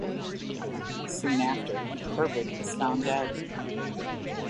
Soon after, Herbert is found dead.